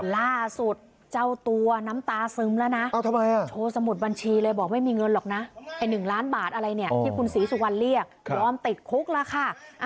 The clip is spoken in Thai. ล่าสุดเจ้าตัวน้ำตาซึมแล้วนะ